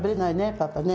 パパね。